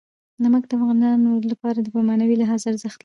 نمک د افغانانو لپاره په معنوي لحاظ ارزښت لري.